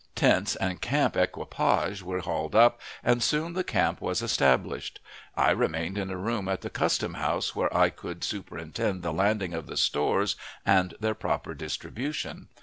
Tents and camp equipage were hauled up, and soon the camp was established. I remained in a room at the customhouse, where I could superintend the landing of the stores and their proper distribution.